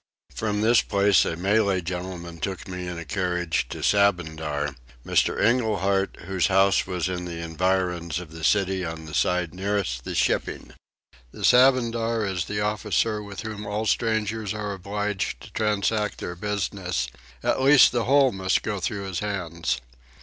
From this place a Malay gentleman took me in a carriage to Sabandar, Mr. Engelhard, whose house was in the environs of the city on the side nearest the shipping. The Sabandar is the officer with whom all strangers are obliged to transact their business: at least the whole must go through his hands.